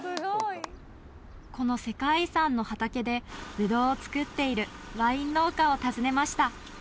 この世界遺産の畑でブドウを作っているワイン農家を訪ねました